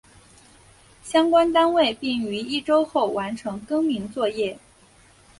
相关单位并于一周后完成更名作业。